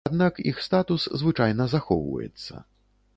Аднак іх статус звычайна захоўваецца.